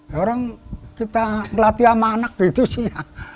ya orang kita ngelatih sama anak gitu sih ya